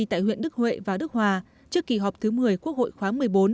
tại huyện đức huệ và đức hòa trước kỳ họp thứ một mươi quốc hội khóa một mươi bốn